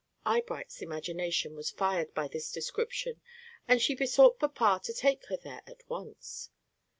Eyebright's imagination was fired by this description, and she besought papa to take her there at once.